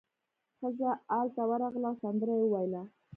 ښځه ال ته ورغله او سندره یې وویله.